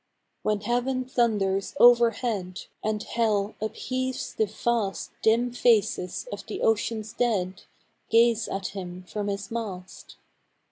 When heaven thunders overhead, And hell upheaves the Vast, Dim faces of the ocean's dead Gaze at him from his mast.